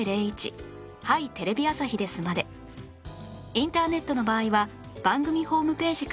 インターネットの場合は番組ホームページから入力してください